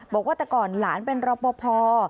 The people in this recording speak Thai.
บอกว่าแต่ก่อนหลานเป็นรอปภ